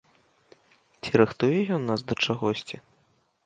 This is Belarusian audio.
Ці рыхтуе ён нас да чагосьці?